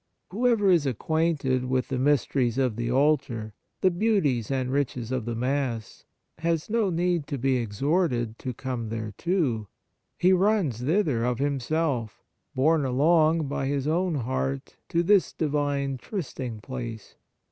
Whoever is acquainted with the mysteries of the altar, the beauties and riches of the Mass, has no need to be exhorted to come thereto ; he runs thither of himself, borne along by his own heart to this Divine trysting place.